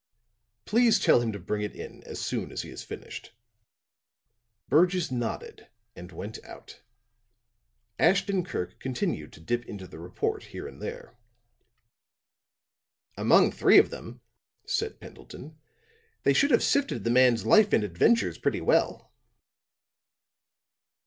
"Please tell him to bring it in as soon as it is finished." Burgess nodded and went out. Ashton Kirk continued to dip into the report here and there. "Among three of them," said Pendleton, "they should have sifted the man's life and adventures pretty well."